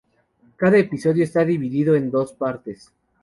Cada episodio está dividido en dos partes.